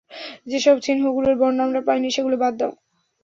যেসব চিহ্নগুলোর বর্ণ আমরা পাইনি, সেগুলো বাদ দাও।